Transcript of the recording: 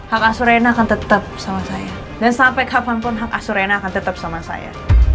akan tetap sama saya dan sampai kapanpun akan tetap sama saya